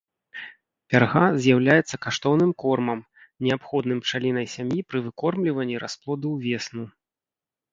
Пярга з'яўляецца каштоўным кормам, неабходным пчалінай сям'і пры выкормліванні расплоду увесну.